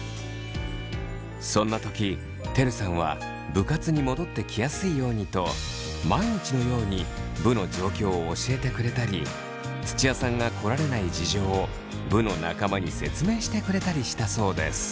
そんな時てるさんは部活に戻ってきやすいようにと毎日のように部の状況を教えてくれたり土屋さんが来られない事情を部の仲間に説明してくれたりしたそうです。